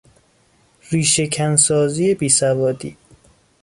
ریشه کن سازی بیسوادی